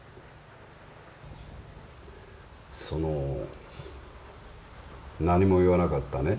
その何も言わなかったね